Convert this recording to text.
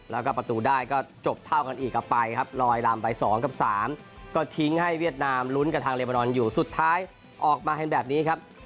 แล้วก็ประตูได้ก็จบเท่ากันอีกเอาไปครับลอยลำไป๒กับ๓ก็ทิ้งให้เวียดนามลุ้นกับทางเรเบอร์นอนอยู่สุดท้ายออกมาเห็นแบบนี้ครับ